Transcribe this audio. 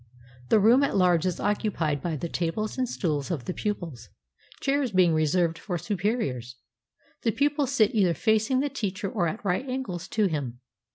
The room at large is occupied by the tables and stools of the pupils, chairs being reserved for superiors. The pupils sit either facing the teacher or at right angles to him.